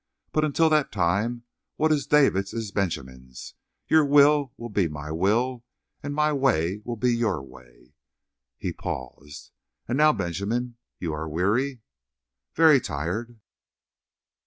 But until that time, what is David's is Benjamin's; your will be my will, and my way be your way." He paused. "And now, Benjamin, you are weary?" "Very tired."